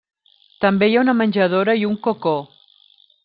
També hi ha una menjadora i un cocó.